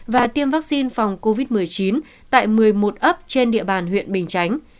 và tiêm vaccine phòng covid một mươi chín tại một mươi một ấp trên địa bàn huyện bình chánh